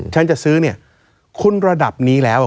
ฉันจะซื้อเนี่ยคุณระดับนี้แล้ว